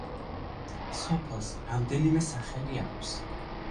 სოფელს რამდენიმე სახელი აქვს.